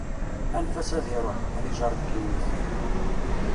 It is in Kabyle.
Anef-as ad iṛuḥ, ad ijeṛṛeb ddunit.